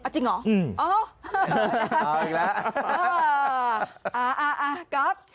จริงหรืออ๋อเอาอีกแล้วอ่าก๊อฟ